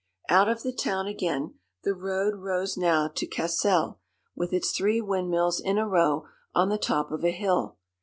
Out of the town again. The road rose now to Cassel, with its three windmills in a row on the top of a hill.